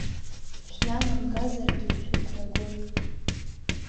Шәнанамгазаргьы ишәықәнагоуп!